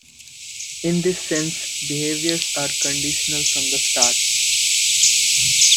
In this sense behaviours are conditional from the start.